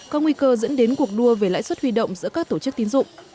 có nguy cơ dẫn đến cuộc đua về lãi suất huy động giữa các tổ chức tín dụng